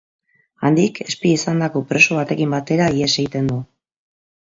Handik espia izandako preso batekin batera ihes egiten du.